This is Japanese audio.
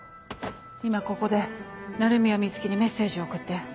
今ここで鳴宮美月にメッセージを送って。